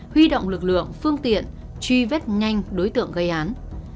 huy động lực lượng phương tiện truy vết nhanh đối tượng gây án